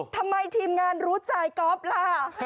ทำไมทีมงานรู้จักก๊อฟล่ะ